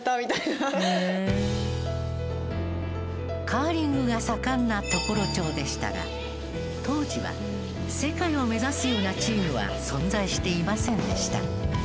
カーリングが盛んな常呂町でしたが当時は世界を目指すようなチームは存在していませんでした。